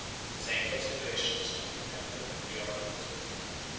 The same considerations might have tempered the ardor of Totila.